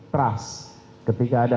trust ketika ada